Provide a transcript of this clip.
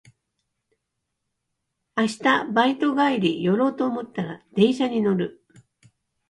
明日バイト帰り寄ろうと思ったら電車に乗る